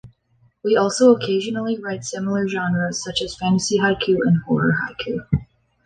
We also occasionally write similar genres, such as fantasy haiku and horror haiku.